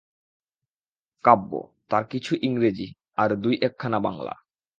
কাব্য, তার কিছু ইংরেজি, আর দুই-একখানা বাংলা।